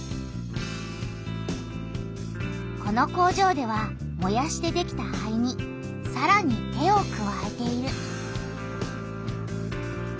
この工場ではもやしてできた灰にさらに手をくわえている。